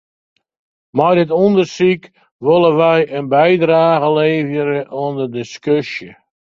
Mei dit ûndersyk wolle wy in bydrage leverje oan de diskusje.